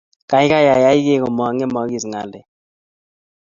kaikai ayai kei komangemakis ngalek